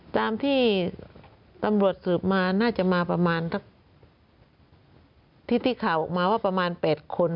ตามที่ตำรวจสืบมาน่าจะมาประมาณสักที่ข่าวออกมาว่าประมาณ๘คน